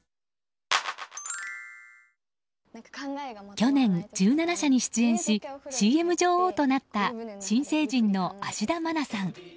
去年１７社に出演しＣＭ女王となった新成人の芦田愛菜さん。